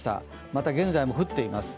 また現在も降っています。